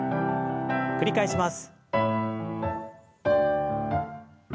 繰り返します。